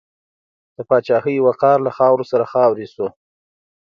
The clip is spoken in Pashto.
د پاچاهۍ وقار له خاورو سره خاورې شو.